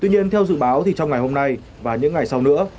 tuy nhiên theo dự báo thì trong ngày hôm nay và những ngày sau nữa